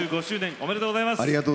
ありがとうございます。